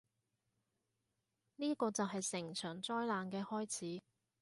呢個就係成場災難嘅開始